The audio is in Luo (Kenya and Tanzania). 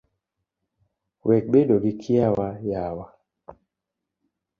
Wek bedo gi kiawa yawa